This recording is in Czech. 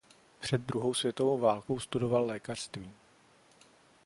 Před druhou světovou válkou studoval lékařství.